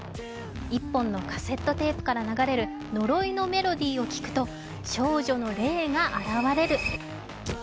１本のカセットテープから流れる呪いのメロディーを聴くと少女の霊が現れる。